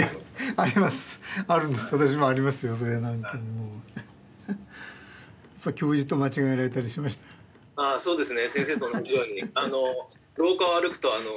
ああそうですね。